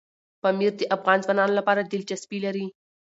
پامیر د افغان ځوانانو لپاره دلچسپي لري.